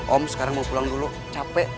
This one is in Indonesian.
om sekarang mau pulang dulu capek